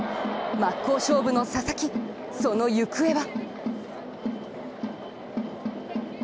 真っ向勝負の佐々木、その行方は。